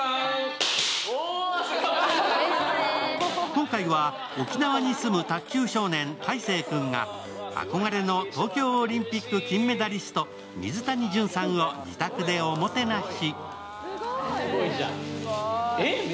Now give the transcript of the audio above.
今回は沖縄に住む卓球少年たいせい君が憧れの東京オリンピック金メダリスト、水谷隼さんを自宅でおもてなし。